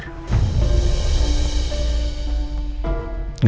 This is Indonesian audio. gak tau kenapa